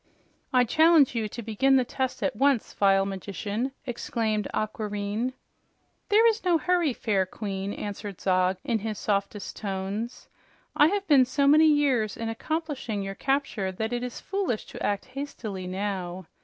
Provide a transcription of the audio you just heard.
"I challenge you to begin the test at once, vile magician!" exclaimed Aquareine. "There is no hurry, fair Queen," answered Zog in his softest tones. "I have been so many years in accomplishing your capture that it is foolish to act hastily now.